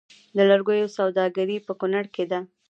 د لرګیو سوداګري په کنړ کې ده